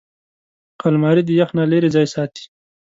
الماري د یخ نه لېرې ځای ساتي